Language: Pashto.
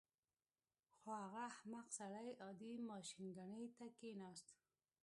خو هغه احمق سړی عادي ماشینګڼې ته کېناست